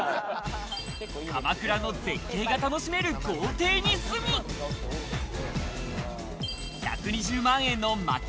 鎌倉の絶景が楽しめる豪邸に住み、１２０万円のまき